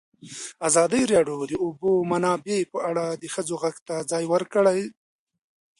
ازادي راډیو د د اوبو منابع په اړه د ښځو غږ ته ځای ورکړی.